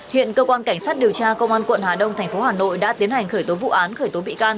hiện cơ quan cảnh sát điều tra công an quận hà đông thành phố hà nội đã tiến hành khởi tố vụ án khởi tố bị can